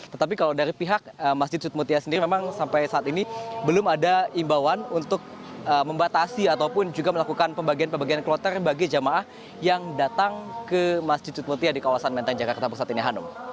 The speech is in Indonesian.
tetapi kalau dari pihak masjid sut mutia sendiri memang sampai saat ini belum ada imbauan untuk membatasi ataupun juga melakukan pembagian pembagian kloter bagi jemaah yang datang ke masjid sutmutia di kawasan menteng jakarta pusat ini hanum